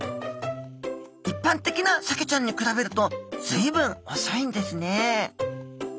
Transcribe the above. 一般的なサケちゃんに比べると随分遅いんですね